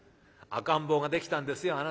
赤ん坊ができたんですよ